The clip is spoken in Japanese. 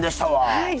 はい。